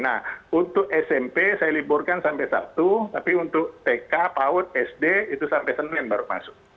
nah untuk smp saya liburkan sampai sabtu tapi untuk tk paud sd itu sampai senin baru masuk